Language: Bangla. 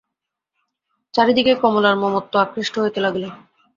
চারি দিকেই কমলার মমত্ব আকৃষ্ট হইতে লাগিল।